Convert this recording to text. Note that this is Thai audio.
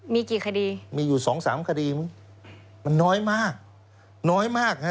มีกี่คดีมีอยู่สองสามคดีมันน้อยมากน้อยมากฮะ